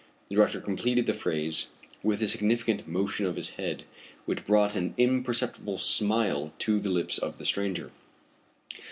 The director completed the phrase with a significant motion of his head which brought an imperceptible smile to the lips of the stranger.